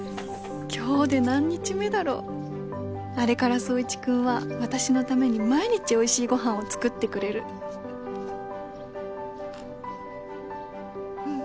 今日で何日目だろうあれから宗一君は私のために毎日おいしいご飯を作ってくれるうん